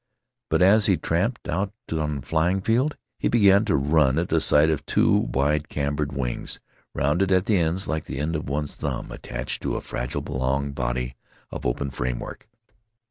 But as he tramped out on the flying field he began to run at the sight of two wide, cambered wings, rounded at the ends like the end of one's thumb, attached to a fragile long body of open framework.